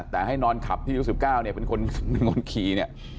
แต่ให้นอนขับที่๑๙เนี่ยเป็นคนหนึ่งคนขี่เนี่ย